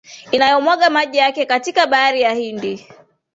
inayomwaga maji yake katika bahari ya Hindi